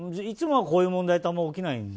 いつもはこういう問題ってあまり起きない？